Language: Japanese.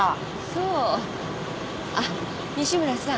そうあっ西村さん